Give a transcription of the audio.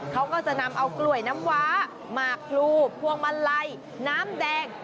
เขาก็จะนำเอากล้วยน้ำว้าหมากพลูพวงมาลัยน้ำแดง